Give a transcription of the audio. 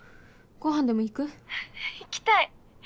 ご飯でも行く？行きたい！